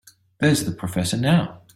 There's the professor now.